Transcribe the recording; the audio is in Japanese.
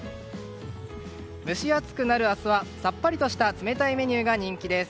蒸し暑くなる明日はさっぱりとした冷たいメニューが人気です。